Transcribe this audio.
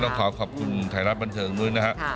ก็ต้องขอขอบคุณถ่ายรับบันเทิงด้วยนะครับ